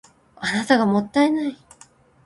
あなたがもったいない